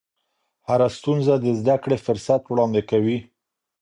هره ستونزه د زده کړې فرصت وړاندې کوي.